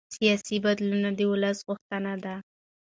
سیاسي بدلون د ولس غوښتنه ده